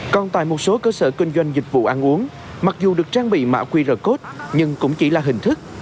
còn tại một số cơ sở kinh doanh dịch vụ ăn uống mặc dù được trang bị mã qr code nhưng cũng chỉ là hình thức